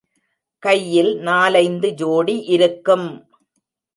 கையில் நாலைந்து ஜோடி இருக்கும்.